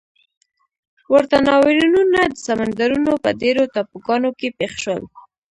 ورته ناورینونه د سمندرونو په ډېرو ټاپوګانو کې پېښ شول.